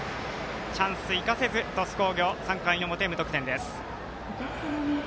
チャンス生かせず、鳥栖工業３回の表、無得点。